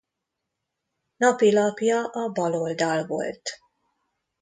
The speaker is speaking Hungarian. Napilapja a Baloldal volt.